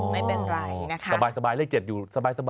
ไม่เป็นไรนะคะสบายเลข๗อยู่สบาย